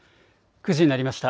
９時になりました。